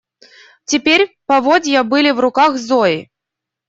Теперь поводья были в руках Зои.